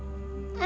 jadi lagi ya